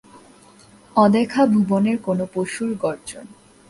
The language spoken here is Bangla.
অদেখা ভুবনের কোনো পশুর গর্জন।